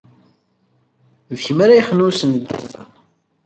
D kemm ara yexnunsen deg yiẓẓan.